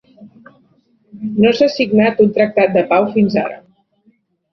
No s'ha signat un tractat de pau fins ara.